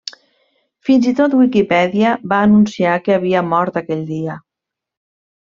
Fins i tot Wikipedia va anunciar que havia mort aquell dia.